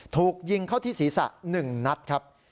ถูกยิงเข้าที่ศีรษะ๑นัดครับ